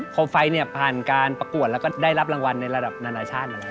ไฟเนี่ยผ่านการประกวดแล้วก็ได้รับรางวัลในระดับนานาชาติ